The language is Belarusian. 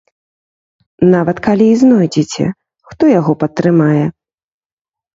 Нават калі і знойдзеце, хто яго падтрымае?